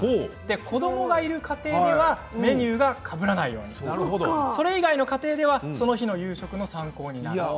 子どもがいる家庭ではメニューがかぶらないようにそれ以外の家庭ではその日の夕食の参考になると。